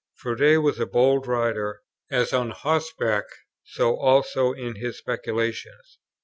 Froude was a bold rider, as on horseback, so also in his speculations.